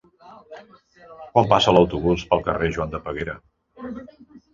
Quan passa l'autobús pel carrer Joan de Peguera?